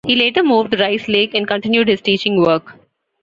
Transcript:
He later moved to Rice Lake and continued his teaching work.